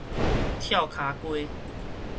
跳跤雞